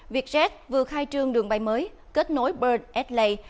vietjet vừa khai trương đường bay mới kết nối bird adelaide